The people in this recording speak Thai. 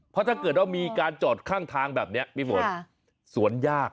เพราะถ้าเกิดว่ามีการจอดข้างทางแบบนี้พี่ฝนสวนยาก